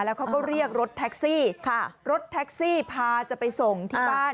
แล้วก็เรียกรถแท็กซี่พาจะไปส่งที่บ้าน